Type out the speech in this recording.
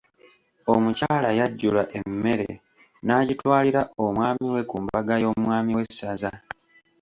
Omukyala yajjula emmere nagitwalira omwami we ku mbaga y’Omwami w’essaza.